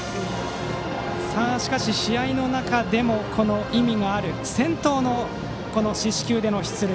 しかし、試合の中でも意味のある先頭の四死球での出塁。